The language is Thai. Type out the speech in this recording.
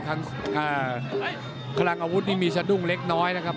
คลังอาวุธนี่มีสะดุ้งเล็กน้อยนะครับ